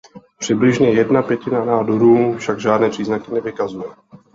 Přibližně jedna pětina nádorů však žádné příznaky nevykazuje.